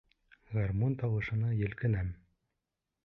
Гармун тауышына елкенәм.